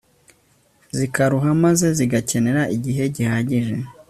zikaruha maze zigakenera igihe gihagije